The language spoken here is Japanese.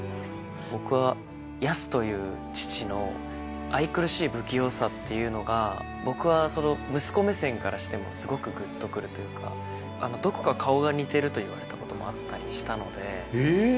僕はヤスという父の愛くるしい不器用さっていうのが、僕は息子目線からしてもすごくぐっとくるというか、どこか顔が似てると言われたこともあったりしたので。